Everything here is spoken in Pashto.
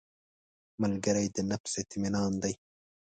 ملګری د نفس اطمینان دی